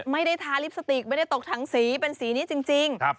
ทาลิปสติกไม่ได้ตกถังสีเป็นสีนี้จริง